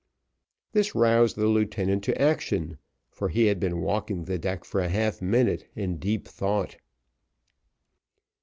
This roused the lieutenant to action, for he had been walking the deck for a half minute in deep thought.